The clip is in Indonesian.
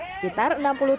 sekitar enam puluh tahun